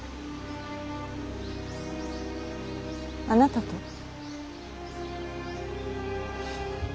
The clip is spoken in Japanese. あなたと？